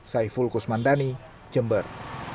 saya fulkus mandani jember